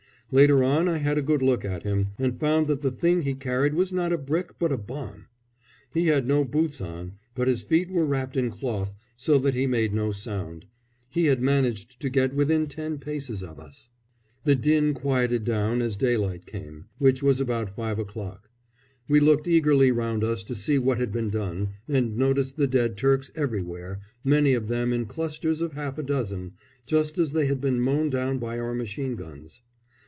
Later on I had a good look at him, and found that the thing he carried was not a brick but a bomb. He had no boots on, but his feet were wrapped in cloth, so that he made no sound. He had managed to get within ten paces of us. The din quietened down as daylight came, which was about five o'clock. We looked eagerly around us to see what had been done, and noticed the dead Turks everywhere, many of them in clusters of half a dozen, just as they had been mown down by our machine guns.